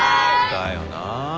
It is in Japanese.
だよな。